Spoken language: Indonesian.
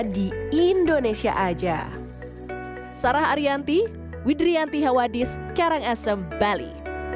di indonesia aja sarah arianti widrianti hawadis karangasem bali